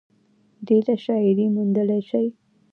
ډېره شاعري موندلے شي ۔